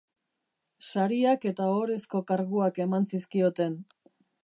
Sariak eta ohorezko karguak eman zizkioten,